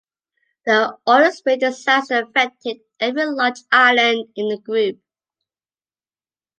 The oil-spill disaster affected every large island in the group.